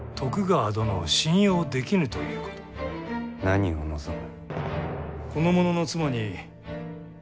何を望む？